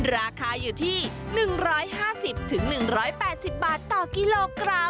ราคาอยู่ที่๑๕๐๑๘๐บาทต่อกิโลกรัม